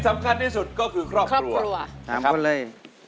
มา๓คนเลย๓คนเลย